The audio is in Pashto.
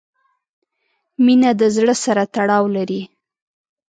• مینه د زړۀ سره تړاو لري.